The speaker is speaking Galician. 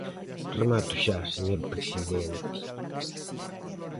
Remato xa, señor presidente.